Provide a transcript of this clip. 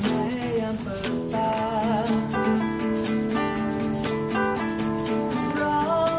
คืนประมาณกัน